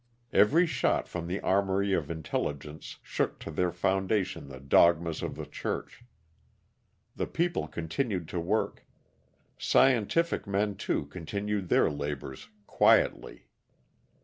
Every shot from the armory of intelligence shook to their foundation the dogmas of the Church. The people continued to work. Scientific men, too, continued their labors quietly.